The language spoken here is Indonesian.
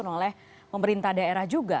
yang disusun oleh pemerintah daerah juga